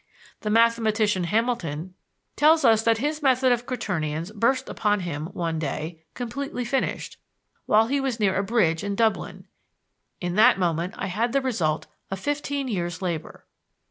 The mathematician Hamilton tells us that his method of quaternians burst upon him one day, completely finished, while he was near a bridge in Dublin. "In that moment I had the result of fifteen years' labor."